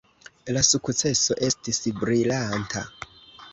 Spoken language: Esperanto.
La sukceso estis brilanta.